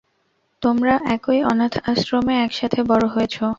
তোমরা একই অনাথ আশ্রমে একসাথে বড় হয়েছ।